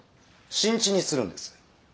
新地にするんです。